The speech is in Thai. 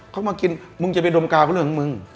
เขามากินมึงจะไปดมกาวก็เรื่องของมึง